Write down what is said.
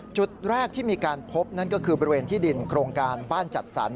จุดแรกที่มีการพบนั่นก็คือบริเวณที่ดินโครงการบ้านจัดสรร